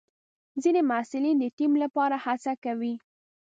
ځینې محصلین د ټیم لپاره هڅه کوي.